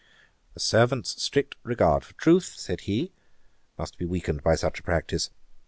'A servant's strict regard for truth, (said he) must be weakened by such a practice.